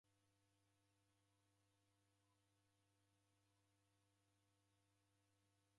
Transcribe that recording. Oagha muzi ghwape Ngerenyi.